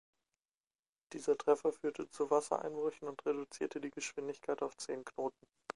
Dieser Treffer führte zu Wassereinbrüchen und reduzierte die Geschwindigkeit auf zehn Knoten.